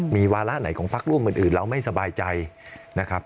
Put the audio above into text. มีวาระไหนของพักร่วมอื่นเราไม่สบายใจนะครับ